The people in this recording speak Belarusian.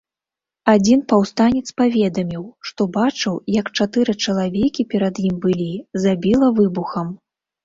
Адзін паўстанец паведаміў, што бачыў як чатыры чалавекі перад ім былі забіла выбухам.